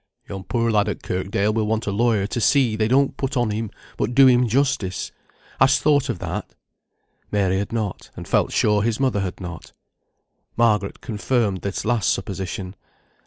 "Yon poor lad at Kirkdale will want a lawyer to see they don't put on him, but do him justice. Hast thought of that?" Mary had not, and felt sure his mother had not. Margaret confirmed this last supposition.